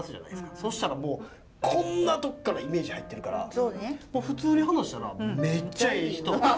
そしたらもうこんなとこからイメージ入ってるから普通に話したらめっちゃいい人。